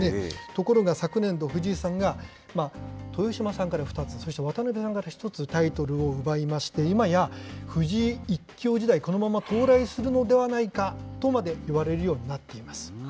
ところが昨年度、藤井さんが、豊島さんから２つ、そして渡辺さんから１つ、タイトルを奪いまして、今や、藤井一強時代、このまま到来するのではないかとまでいわれるようになっています。